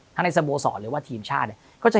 ถ้าในสโบสอหรือว่าทีมชาติ